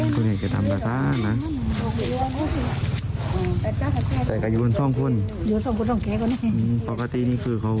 ฟังเมียเวลาคือเมียกันอย่างไรนะครับ